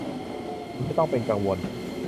ทำให้ต้องเป็นกังวล